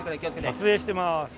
撮影してます。